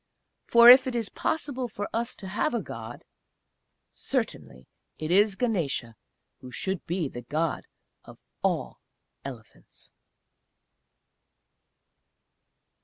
For if it is possible for us to have a God certainly it is Ganesa who should be the God of all Elephants....